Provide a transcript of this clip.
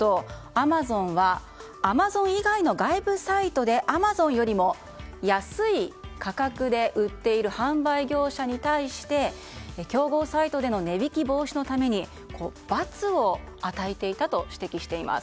アマゾンはアマゾン以外の外部サイトでアマゾンよりも安い価格で売っている販売業者に対して競合サイトでの値引き防止のために罰を与えていたと指摘しています。